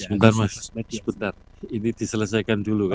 sebentar mas sebentar ini diselesaikan dulu kan